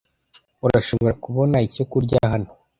Urashobora kubona icyo kurya hano?